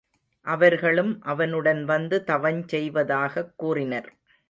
அவர்களும் அவனுடன் வந்து தவஞ் செய்வதாகக் கூறினர்.